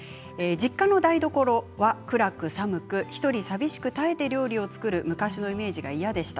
実家の台所は暗く寒く１人寂しく耐えて料理を作る昔のイメージが嫌でした。